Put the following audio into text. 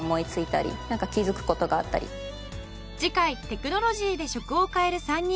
次回テクノロジーで食を変える３人が勢ぞろい。